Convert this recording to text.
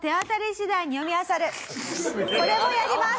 これもやります！